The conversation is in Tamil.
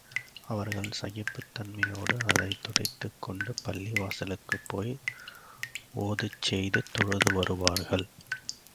அவர்கள் சகிப்புத் தன்மையோடு அதைத் துடைத்துக் கொண்டு பள்ளிவாசலுக்குப் போய் ஒதுச் செய்து தொழுது வருவார்கள்.